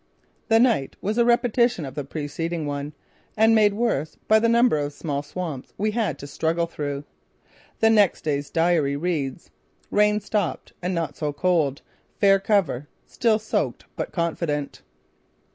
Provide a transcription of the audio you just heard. The night was a repetition of the preceding one, and made worse by the number of small swamps we had to struggle through. The next day's diary reads: "Rain stopped and not so cold. Fair cover; still soaked but confident."